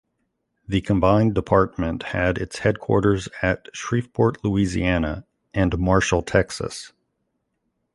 The combined department had its headquarters at Shreveport, Louisiana, and Marshall, Texas.